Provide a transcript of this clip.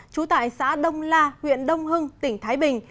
trú tại xã đông la huyện đông hưng tỉnh thái bình